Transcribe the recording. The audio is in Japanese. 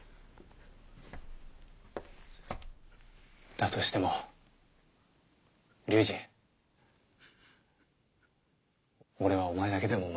だとしても隆司俺はお前だけでも守る。